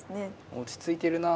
落ち着いてるなあ